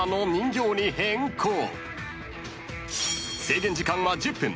［制限時間は１０分］